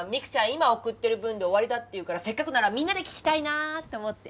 今送ってる分で終わりだって言うからせっかくならみんなで聴きたいなと思って。